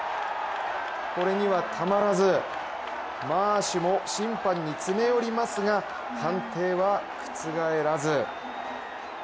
これにはたまらず、マーシュも審判に詰め寄りますが判定は覆らず。